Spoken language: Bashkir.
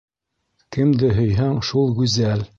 - Кемде һөйһәң, шул гүзәл.